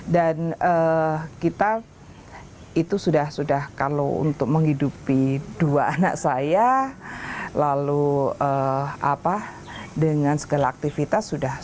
dan kita itu sudah sudah kalau untuk menghidupi dua anak saya lalu dengan segala aktivitas sudah cukup